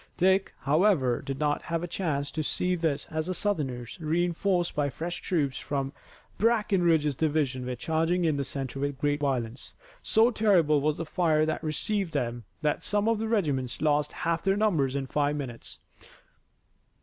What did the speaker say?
Dick, however, did not have a chance to see this as the Southerners, reinforced by fresh troops from Breckinridge's division, were charging in the center with great violence. So terrible was the fire that received them that some of the regiments lost half their numbers in five minutes.